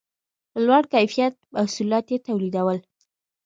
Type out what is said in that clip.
په لوړ کیفیت محصولات یې تولیدول.